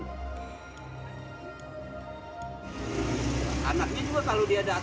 tersangka dan keluarga korban juga sudah saling kenal beberapa bulan lalu